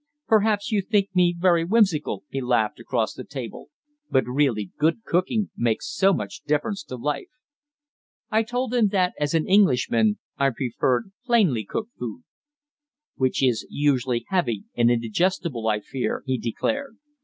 "Perhaps you think me very whimsical," he laughed across the table, "but really, good cooking makes so much difference to life." I told him that, as an Englishman, I preferred plainly cooked food. "Which is usually heavy and indigestible, I fear," he declared.